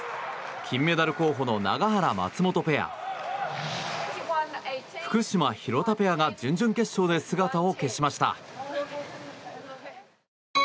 金メダル候補の永原、松本ペア福島、廣田ペアが準々決勝で姿を消しました。